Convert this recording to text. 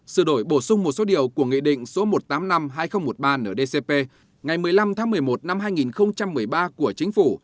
sự đổi bổ sung một số điều của nghị định số một trăm tám mươi năm hai nghìn một mươi ba ndcp ngày một mươi năm tháng một mươi một năm hai nghìn một mươi ba của chính phủ